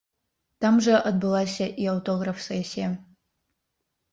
Там жа адбылася і аўтограф-сэсія.